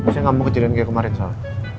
saya gak mau kecilin kayak kemarin soal